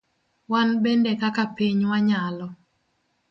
Wan bende kaka piny wanyalo.